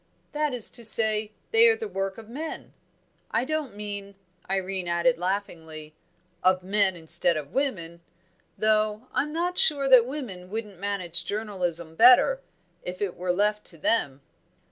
"That is to say, they are the work of men I don't mean," Irene added laughingly, "of men instead of women. Though I'm not sure that women wouldn't manage journalism better, if it were left to them."